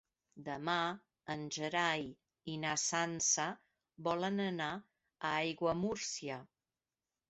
Demà en Gerai i na Sança volen anar a Aiguamúrcia.